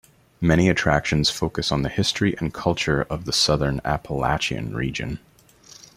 Many attractions focus on the history and culture of the Southern Appalachian region.